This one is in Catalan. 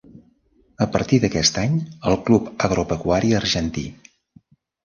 A partir d'aquest any el Club Agropecuari Argentí.